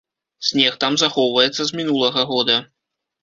Снег там захоўваецца з мінулага года.